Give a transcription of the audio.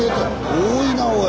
多いなおい！